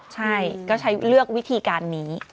ใช่ต้องเลือกวิธีการนี้